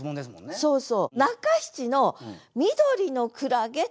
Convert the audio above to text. そうそう。